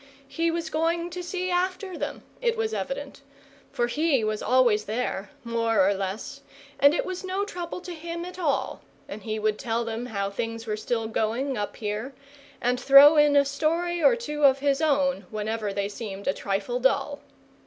He was going to see after them, it was evident; for he was always there, more or less, and it was no trouble to him at all, and he would tell them how things were still going, up here, and throw in a story or two of his own whenever they seemed a trifle dull.